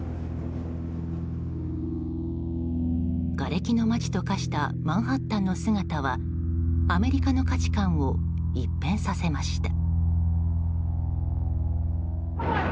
がれきの街と化したマンハッタンの姿はアメリカの価値観を一変させました。